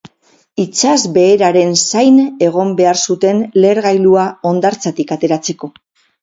Itsasbeheraren zain egon behar zuten lehergailua hondartzatik ateratzeko.